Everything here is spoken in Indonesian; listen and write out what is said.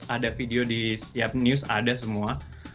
ada video di setiap news ada semua